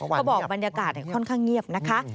บอกบรรยากาศค่อนข้างเงียบนะคะ